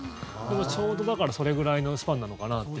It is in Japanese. ちょうど、それぐらいのスパンなのかなっていう。